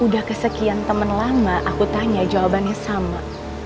udah kesekian teman lama aku tanya jawabannya sama